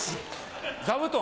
座布団。